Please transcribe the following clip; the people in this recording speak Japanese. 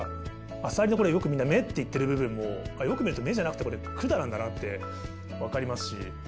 アサリのよくみんな目っていってる部分もよく見ると目じゃなくてこれ管なんだなって分かりますし。